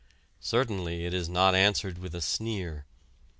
Certainly it is not answered with a sneer.